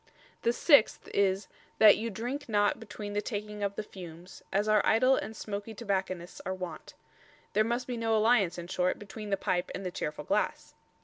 The sixth is "that you drink not between the taking of the fumes, as our idle and smoakie Tobacconists are wont" there must be no alliance, in short, between the pipe and the cheerful glass.